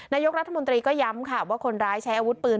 นายกรัฐมนตรีก็ย้ำค่ะว่าคนร้ายใช้อาวุธปืน